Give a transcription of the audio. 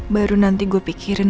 baru nanti gue pikirin